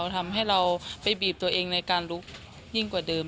ทำให้เราไปบีบตัวเองในการลุกยิ่งกว่าเดิม